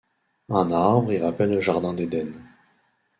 Un arbre y rappelle le jardin d’Éden.